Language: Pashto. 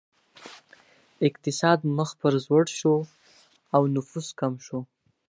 اقتصاد مخ په ځوړ شو او نفوس کم شو.